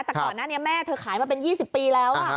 แต่ก่อนหน้านี้แม่เธอขายมาเป็น๒๐ปีแล้ว